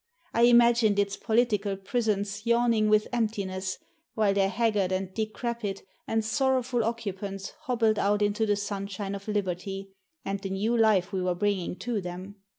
I imagined its political prisons yawning with emptiness, while their haggard and decrepit and sorrowful occupants hobbled out into the sunshine of liberty, and the new life we were bringing to them.